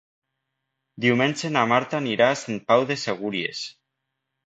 Diumenge na Marta anirà a Sant Pau de Segúries.